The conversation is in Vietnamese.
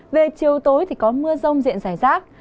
về chiều tối thì có mưa rông diện rải rác